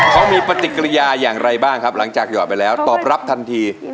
เขามีปฏิกิริยาอย่างไรบ้างครับหลังจากหยอดไปแล้วตอบรับทันที